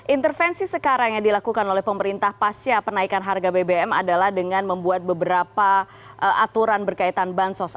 intervensi sekarang yang dilakukan oleh pemerintah pasca penaikan harga bbm adalah dengan membuat beberapa aturan berkaitan bansos